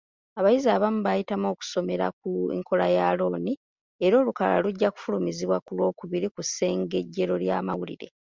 Abayizi abamu baayitamu okusomera ku nkola ya looni era olukalala lujja kufulumizibwa ku lwokubiri ku ssengejjero ly'amawulire.